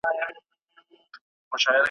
په تلاښ و په کوښښ یې سرګردانه